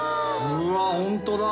うわホントだ！